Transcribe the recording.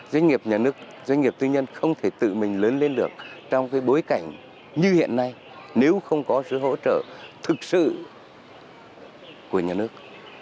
doanh nghiệp nhà nước doanh nghiệp tư nhân không thể tự mình lớn lên được trong bối cảnh như hiện nay nếu không có sự hỗ trợ thực sự của nhà nước